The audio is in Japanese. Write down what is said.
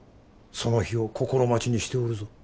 その日を心待ちにしておるぞ。